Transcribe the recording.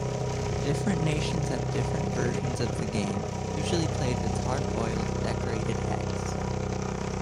Different nations have different versions of the game, usually played with hard-boiled, decorated eggs.